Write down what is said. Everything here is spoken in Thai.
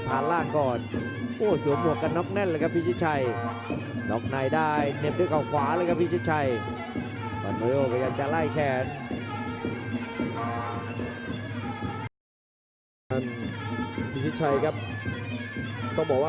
ปัจจุบันเปิดฟาร์มไก่ชนครับ